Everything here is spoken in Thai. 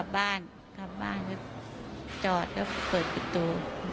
พอเสร็จก็กลับบ้านกลับบ้านก็จอดก็เปิดประตู